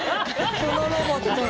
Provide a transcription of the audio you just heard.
このロボットは。